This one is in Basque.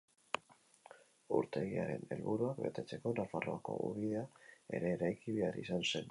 Urtegiaren helburuak betetzeko, Nafarroako ubidea ere eraiki behar izan zen.